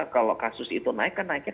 kalau kasus itu naik kan naiknya